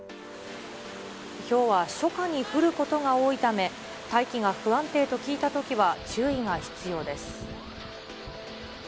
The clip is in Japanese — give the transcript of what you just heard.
ひょうは初夏に降ることが多いため、大気が不安定と聞いたときは、注意が必要です。